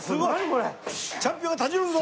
チャンピオンがたじろぐぞ。